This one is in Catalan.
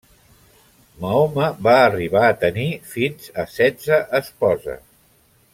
Mahoma va arribar a tenir fins a setze esposes.